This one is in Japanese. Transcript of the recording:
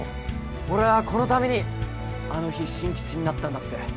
俺ぁこのためにあの日進吉になったんだって。